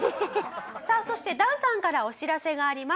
さあそして檀さんからお知らせがあります。